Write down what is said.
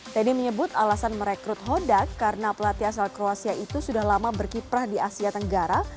teddy menyebut alasan merekrut hodak karena pelatih asal kroasia itu sudah lama berkiprah di asia tenggara